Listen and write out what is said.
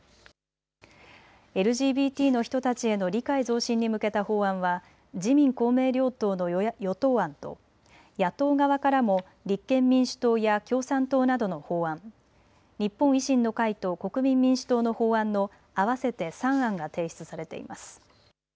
ＬＧＢＴの人たちへの理解増進に向けた法案は自民公明両党の与党案と野党側からも立憲民主党や共産党などの法案、日本維新の会と国民民主党の法案の合わせて３案が提出されています。